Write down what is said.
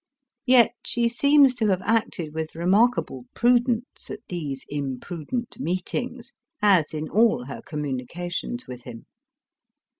Yet she seems to have acted with remarkable prudence at these imprudent meetings, as in all her communications with him.